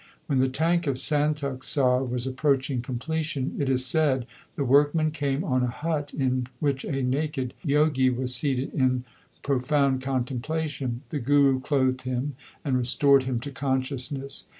When the tank of Santokhsar was approaching completion, it is said the workmen came on a hut in which a naked Jogi was seated in profound con templation. The Guru clothed him, and restored him to consciousness.